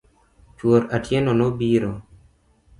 Chuor Atieno no biro.